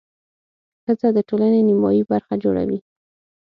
ښځه د ټولنې نیمایي برخه جوړوي.